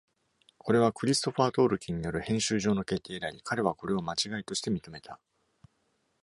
これは、クリストファー・トールキンによる編集上の決定であり、彼はこれを間違いとして認めた。